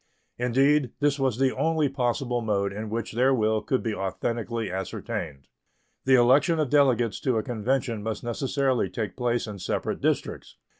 Indeed, this was the only possible mode in which their will could be authentically ascertained. The election of delegates to a convention must necessarily take place in separate districts.